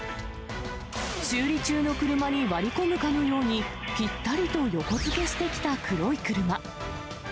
修理中の車に割り込むかのように、ぴったりと横付けしてきた黒い車。